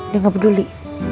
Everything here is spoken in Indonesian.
dia gak peduli